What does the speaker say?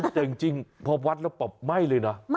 แต่จริงพอวัดแล้วปรับไหม้เลยนะ